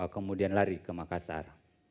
kemudian lari ke makassar